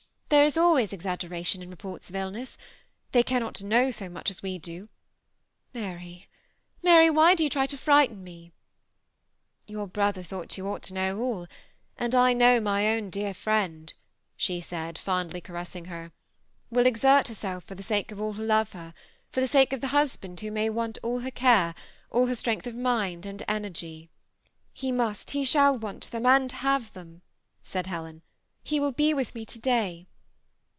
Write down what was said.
" There is always exaggeration in reports of illness. They cannot know so much as we do. Mary, Mary, why do you try to frighten me ?"" Your brother thought that you ought to know all, and I know my own dear friend," she said, fondly caressing her, " will exert herself for the sake of all who love her; for the sake of the husband who may want all her care, all her strength of mind and energy;" "' He must, he shall want them and have them," said Helen. " He will be with me to day."